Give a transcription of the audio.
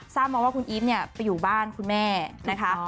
ทราบมาว่าคุณอีฟเนี่ยไปอยู่บ้านคุณแม่นะคะ